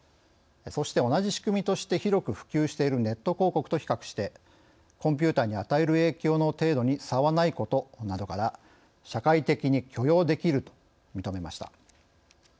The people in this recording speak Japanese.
そして、同じ仕組みとして広く普及しているネット広告と比較してコンピューターに与える影響の程度に差はないことなどから、社会的に許容できると認めました。